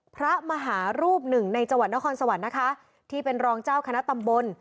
พระมหารูปหนึ่งในจังหวัดนครสวรรค์นะคะที่เป็นรองเจ้าคณะตำบล